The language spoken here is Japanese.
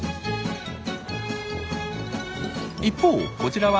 一方こちらはオス。